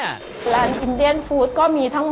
การที่บูชาเทพสามองค์มันทำให้ร้านประสบความสำเร็จ